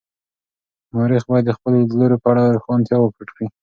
مورخ باید د خپلو لیدلورو په اړه روښانتیا ورکړي.